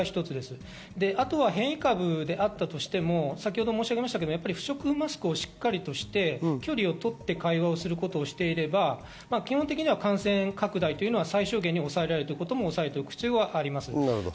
変異株であったとしても不織布マスクをしっかりとして距離を取って会話をすることをしていれば基本的には感染拡大は最小限に抑えられるというところをおさえておく必要もあります。